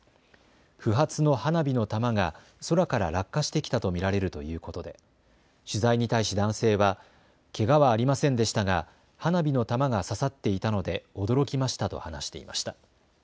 不発の花火の玉が空から落下してきたと見られるということで取材に対し男性はけがはありませんでしたが花火の玉が刺さっていたので驚きましたと話していました。